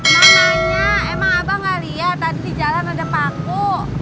mak nanya emang abang nggak lihat tadi di jalan ada paku